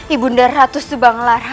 ibu nda ratu subang lara